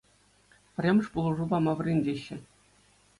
Пӗрремӗш пулӑшу пама вӗрентеҫҫӗ